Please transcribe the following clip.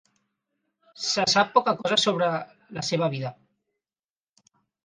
Se sap poca cosa sobre la seva vida.